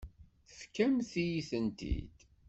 Tefkamt-iyi-tent-id.